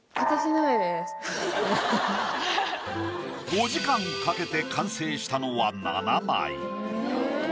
５時間かけて完成したのは７枚。